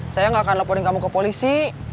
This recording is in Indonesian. saya nggak akan laporin kamu ke polisi